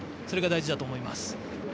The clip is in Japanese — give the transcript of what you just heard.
それが大事だと思います。